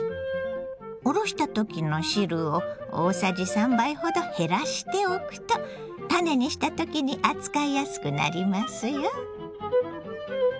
おろした時の汁を大さじ３杯ほど減らしておくとたねにした時に扱いやすくなりますよ。